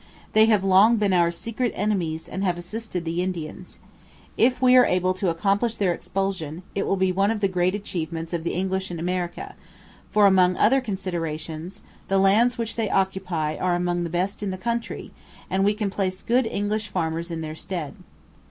They have long been our secret enemies and have assisted the Indians. If we are able to accomplish their expulsion, it will be one of the great achievements of the English in America, for, among other considerations, the lands which they occupy are among the best in the country, and we can place good English farmers in their stead.